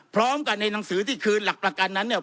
พร้อมกันในหนังสือที่คืนหลักประกันนั้นเนี่ย